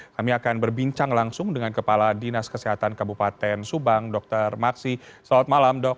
kami akan berbincang langsung dengan kepala dinas kesehatan kabupaten subang dr maksi selamat malam dok